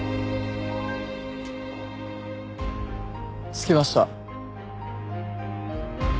着きました。